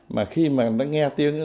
mà khi mà nó nghe tiếng